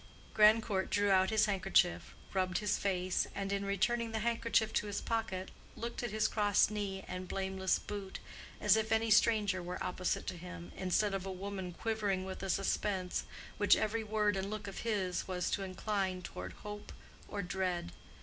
Grandcourt drew out his handkerchief, rubbed his face, and in returning the handkerchief to his pocket looked at his crossed knee and blameless boot, as if any stranger were opposite to him, instead of a woman quivering with a suspense which every word and look of his was to incline toward hope or dread.